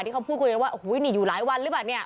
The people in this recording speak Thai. ที่เขาพูดคุยกันว่าโอ้โหนี่อยู่หลายวันหรือเปล่าเนี่ย